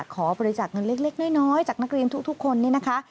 ขอบริจาคเงินเล็กน้อยจากนักเรียนทุกคนนี่นะคะ